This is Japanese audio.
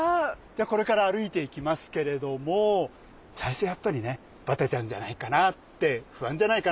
じゃこれから歩いていきますけれども最初やっぱりねバテちゃうんじゃないかなって不安じゃないかなと思います。